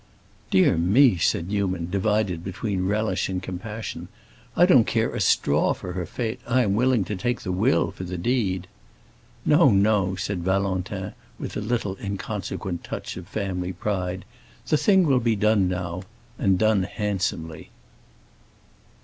"Dear me!" said Newman, divided between relish and compassion. "I don't care a straw for her fête, I am willing to take the will for the deed." "No, no," said Valentin, with a little inconsequent touch of family pride. "The thing will be done now, and done handsomely."